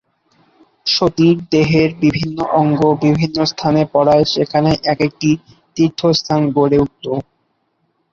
সতীর দেহের বিভিন্ন অঙ্গ বিভিন্ন স্থানে পড়ায় সেখানে এক-একটি তীর্থস্থান গড়ে উঠল।